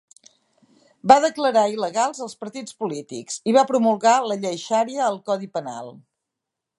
Va declarar il·legals els partits polítics i va promulgar la llei Xaria al codi penal.